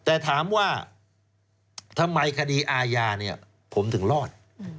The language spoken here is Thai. แต่ถามว่าทำไมคดีอาญาเนี่ยผมถึงรอด